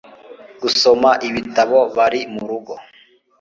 gusoma ibitabo bari murugo